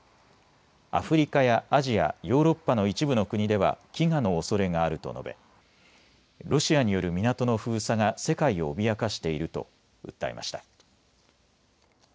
アフリカやアジア、ヨーロッパの一部の国では飢餓のおそれがあると述べ、ロシアによる港の封鎖が世界を脅かしていると訴えました。